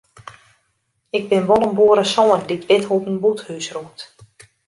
Ik bin wol in boeresoan dy't wit hoe't in bûthús rûkt.